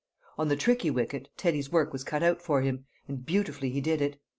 On the tricky wicket Teddy's work was cut out for him, and beautifully he did it.